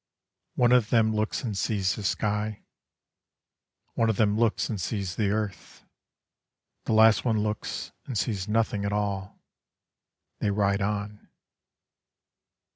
One of them looks and sees the sky: One of them looks and sees the earth: The last one looks and sees nothing at all. They ride on.